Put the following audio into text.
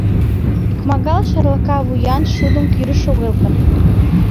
Икмагал шарлака вуян шудым кӱрышт шогылтым.